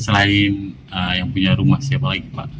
selain yang punya rumah siapa lagi pak